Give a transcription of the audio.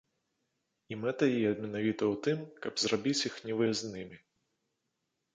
І мэта яе менавіта ў тым, каб зрабіць іх невыязднымі.